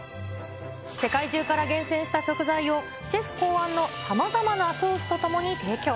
世界中から厳選した食材を、シェフ考案のさまざまなソースとともに提供。